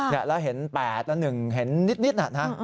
แล้วเห็น๘แล้ว๑เห็นนิดน่ะนะ